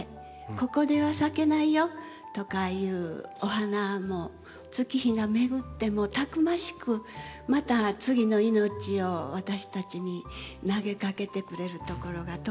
ここでは咲けないよとかいうお花も月日が巡ってもたくましくまた次の命を私たちに投げかけてくれるところがとっても感動です。